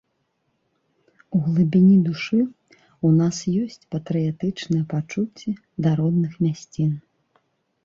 У глыбіні душы ў нас ёсць патрыятычныя пачуцці да родных мясцін.